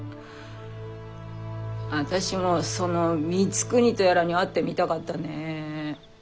あたしもその光圀とやらに会ってみたかったね。